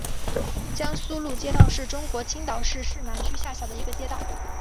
江苏路街道是中国青岛市市南区下辖的一个街道。